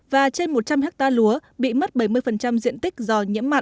và trên một trăm linh hectare lúa bị mất bảy mươi diện tích do nhiễm mặn